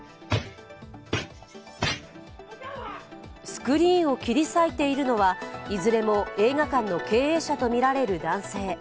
スクリーンを切り裂いているのは、いずれも映画館の経営者とみられる男性。